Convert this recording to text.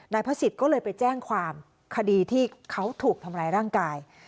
พระศิษย์ก็เลยไปแจ้งความคดีที่เขาถูกทำร้ายร่างกาย